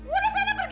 udah sana pergi